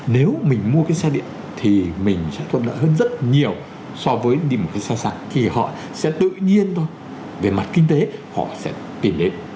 nếu mình mua cái xe điện thì mình sẽ thuận lợi hơn rất nhiều so với đi một cái so sạc thì họ sẽ tự nhiên thôi về mặt kinh tế họ sẽ tìm đến